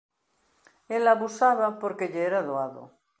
Ela abusaba porque lle era doado.